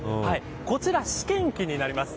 こちら試験機になります。